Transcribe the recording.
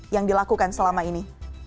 yang dilakukan selama ini